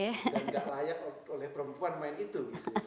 dan gak layak oleh perempuan main itu